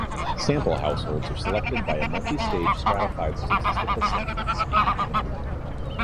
Sample households are selected by a multistage stratified statistical sampling scheme.